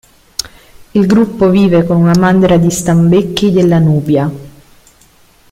Il gruppo vive con una mandria di stambecchi della Nubia.